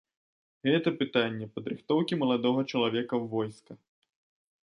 Гэта пытанне падрыхтоўкі маладога чалавека ў войска.